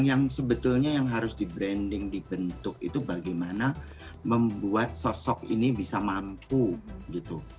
yang sebetulnya yang harus di branding dibentuk itu bagaimana membuat sosok ini bisa mampu gitu